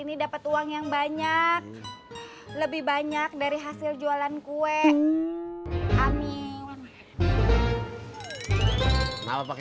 ini dapat uang yang banyak lebih banyak dari hasil jualan kue amin kalau pakai